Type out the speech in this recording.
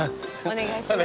お願いします。